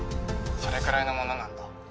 ☎それくらいのものなんだ